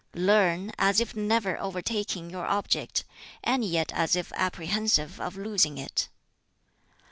"Learn, as if never overtaking your object, and yet as if apprehensive of losing it.